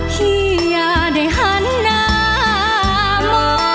พี่อย่าได้หันหน้าหมด